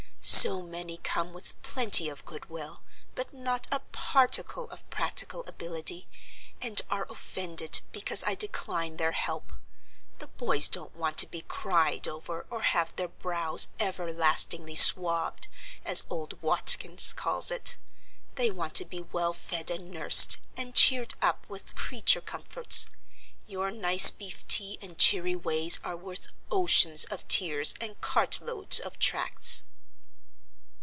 So many come with plenty of good will, but not a particle of practical ability, and are offended because I decline their help. The boys don't want to be cried over, or have their brows 'everlastingly swabbed,' as old Watkins calls it: they want to be well fed and nursed, and cheered up with creature comforts. Your nice beef tea and cheery ways are worth oceans of tears and cart loads of tracts."